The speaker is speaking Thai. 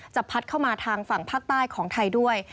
พัดเข้ามาทางฝั่งภาคใต้ของไทยด้วย